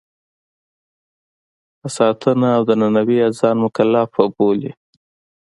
پر ساتنه او درناوي یې ځان مکلف بولي.